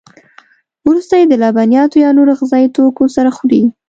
وروسته یې د لبنیاتو یا نورو غذایي توکو سره خوري.